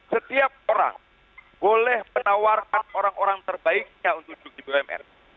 setiap orang boleh menawarkan orang orang terbaiknya untuk duduk di bumn